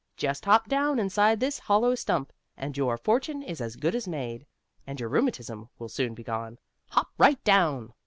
"Just hop down inside this hollow stump, and your fortune is as good as made, and your rheumatism will soon be gone. Hop right down."